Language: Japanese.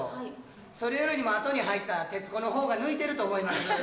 それよりも後に入ったテツコのほうが抜いてると思います。